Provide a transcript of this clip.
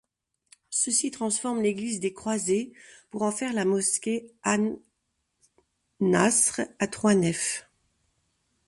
Ceux-ci transforment l'église des Croisés pour en faire la mosquée An-Nasr à trois nefs.